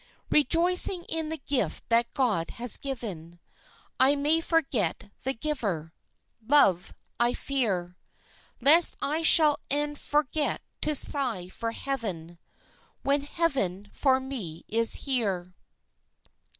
Rejoicing in the gift that God has given, I may forget the Giver. Love, I fear Lest I shall e'en forget to sigh for Heaven When heaven for me is here!